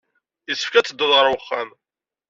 Yessefk ad teddud ɣer uxxam.